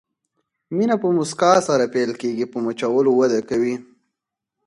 مینه په مسکا سره پیل کېږي، په مچولو وده کوي.